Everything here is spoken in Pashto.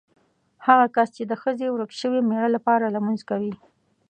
هغه کس چې د ښځې د ورک شوي مېړه لپاره لمونځ کوي.